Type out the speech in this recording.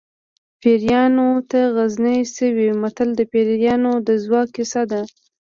پیریانو ته غزني څه وي متل د پیریانو د ځواک کیسه ده